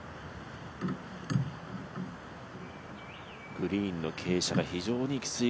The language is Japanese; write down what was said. グリーンの傾斜が非常にきつい